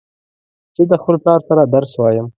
زه د خپل پلار سره درس وایم